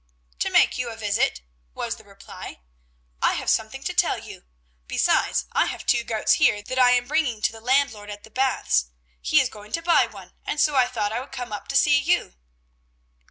"To make you a visit," was the reply. "I have something to tell you. Besides, I have two goats here, that I am bringing to the landlord at the Baths. He is going to buy one, and so I thought I would come up to see you."